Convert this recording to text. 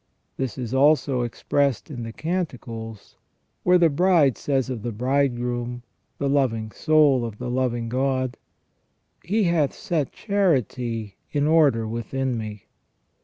This is also expressed in the Canticles, where the bride says of the bridegroom — the loving soul of the loving God :" He hath set charity in order within me".